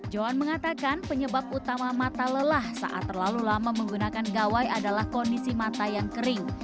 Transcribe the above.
johan mengatakan penyebab utama mata lelah saat terlalu lama menggunakan gawai adalah kondisi mata yang kering